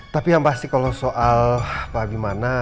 tapi yang pasti kalau soal pak abi mana